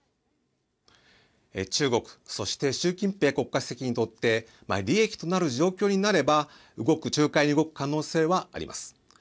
中国、そして習近平国家主席にとって利益となる状況になれば仲介に動く可能性はあります。